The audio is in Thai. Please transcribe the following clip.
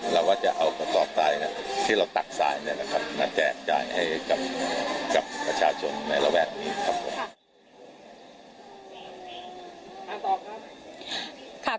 เราก็จะเอากระสอบทรายที่เราตัดสายมาแจกจ่ายให้กับประชาชนในระแวกนี้ครับผม